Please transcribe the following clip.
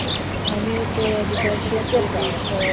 আমি উত্তরাধিকারসূত্রে পেয়েছি।